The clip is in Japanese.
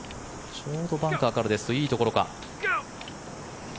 ちょうどバンカーからですといいところですか。